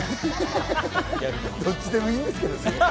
どっちでもいいんですけどね。